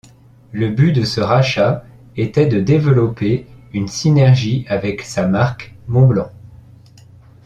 Le but de ce rachat était de développer une synergie avec sa marque Montblanc.